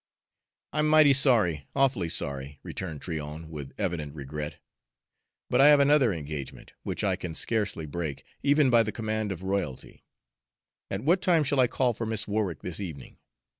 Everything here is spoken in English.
"I'm mighty sorry awfully sorry," returned Tryon, with evident regret, "but I have another engagement, which I can scarcely break, even by the command of royalty. At what time shall I call for Miss Warwick this evening?